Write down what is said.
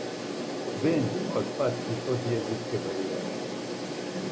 Бенд ипак пати од језичке баријере.